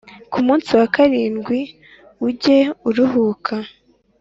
Ku munsi wa karindwi ujye uruhuka